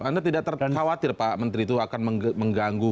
anda tidak khawatir pak menteri itu akan mengganggu